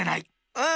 うん！